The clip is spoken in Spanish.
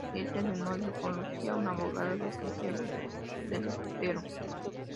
Está de novio con Lucía, una abogada de Santiago del Estero.